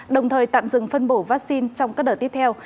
đồng thời tạm dừng phân bổ vaccine trong các đợt tiếp theo